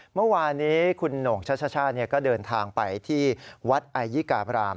เมื่อวานนี้คุณโหน่งชัชชาก็เดินทางไปที่วัดไอยิกาบราม